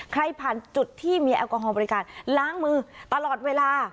ผ่านจุดที่มีแอลกอฮอลบริการล้างมือตลอดเวลา